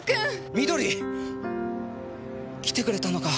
美登里！？来てくれたのか？